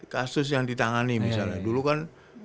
kasus yang ditangani misalnya dulu kan